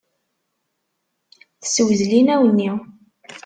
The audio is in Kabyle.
Tessewzel inaw-nni.